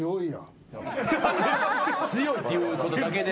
強いっていうことだけで？